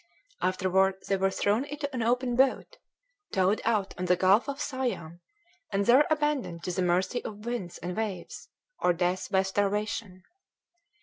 Afterward they were thrown into an open boat, towed out on the Gulf of Siam, and there abandoned to the mercy of winds and waves, or death by starvation.